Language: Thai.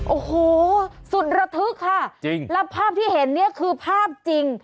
โอ้โหสุดระทึกค่ะจริงแล้วภาพที่เห็นเนี่ยคือภาพจริง